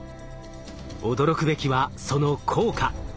驚くべきはその効果。